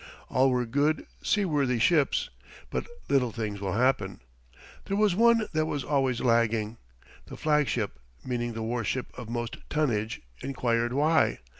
All were good, seaworthy ships, but little things will happen. There was one that was always lagging. The flag ship, meaning the war ship of most tonnage, inquired why.